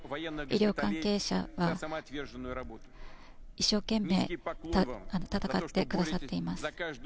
医療関係者が一生懸命戦ってくださっています。